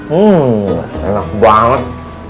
hmm enak banget